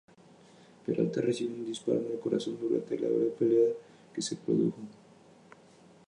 Peralta recibió un disparo en el corazón durante la breve pelea que se produjo.